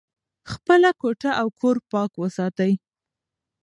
خپله کوټه او کور پاک وساتئ.